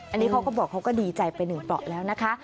อันนี้เขาก็บอกเขาก็ดีใจไปหนึ่งเปราะแล้วนะคะ